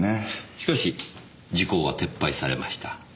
しかし時効は撤廃されました。